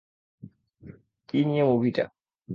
কি নিয়ে মুভিটা?